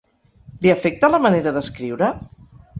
Li afecta la manera d'escriure?